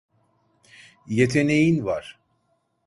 Yeteneğin var.